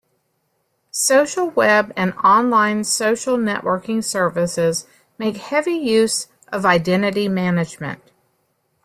Social web and online social networking services make heavy use of identity management.